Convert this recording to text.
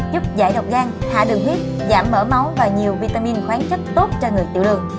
giúp giải độc gan hạ đường huyết giảm mở máu và nhiều vitamin khoáng chất tốt cho người tiểu đường